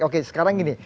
oke sekarang gini